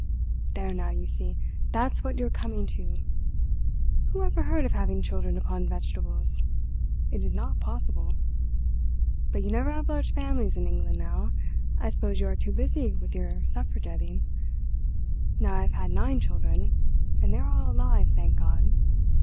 "There now, you see, that's what you're coming to! Who ever heard of having children upon vegetables? It is not possible. But you never have large families in England now; I suppose you are too busy with your suffragetting. Now I have had nine children, and they are all alive, thank God.